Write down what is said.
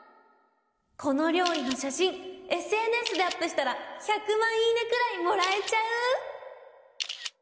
このりょうりのしゃしんＳＮＳでアップしたら１００まん「いいね」くらいもらえちゃう！？